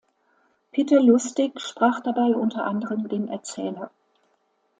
Peter Lustig sprach dabei unter anderem den Erzähler.